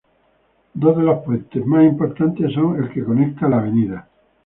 Dos de los puentes más importantes son el que conecta la Av.